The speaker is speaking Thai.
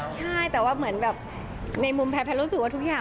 ใช่แต่ว่าในมุมแพ้รู้สึกว่าทุกอย่าง